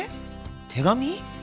手紙？